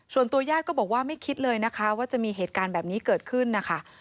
ญาติก็บอกว่าไม่คิดเลยนะคะว่าจะมีเหตุการณ์แบบนี้เกิดขึ้นนะคะ